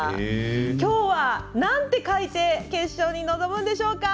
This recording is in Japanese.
きょうは、なんて書いて決勝に臨むんでしょうか。